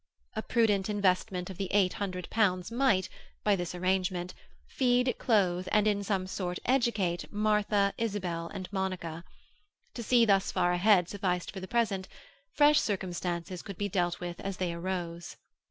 A prudent investment of the eight hundred pounds might, by this arrangement, feed, clothe, and in some sort educate Martha, Isabel, and Monica. To see thus far ahead sufficed for the present; fresh circumstances could be dealt with as they arose.